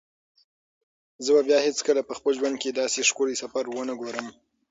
زه به بیا هیڅکله په خپل ژوند کې داسې ښکلی سفر ونه ګورم.